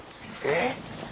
えっ？